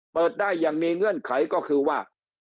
เปิดได้อย่างมีเงื่อนไขก็คือว่า